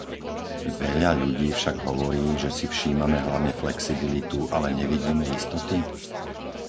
Veľa ľudí však hovorí, že si všímame hlavne flexibilitu, ale nevidíme istoty?